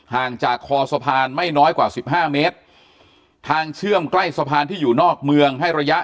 ห่างจากคอสะพานไม่น้อยกว่าสิบห้าเมตรทางเชื่อมใกล้สะพานที่อยู่นอกเมืองให้ระยะ